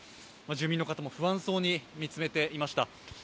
住民の方も不安そうに見つめていました。